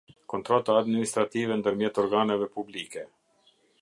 Kontrata administrative ndërmjet organeve publike.